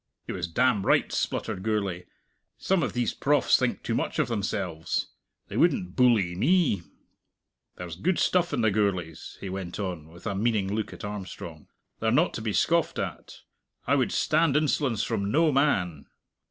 "He was damned right," spluttered Gourlay. "Some of these profs. think too much of themselves. They wouldn't bully me! There's good stuff in the Gourlays," he went on with a meaning look at Armstrong; "they're not to be scoffed at. I would stand insolence from no man."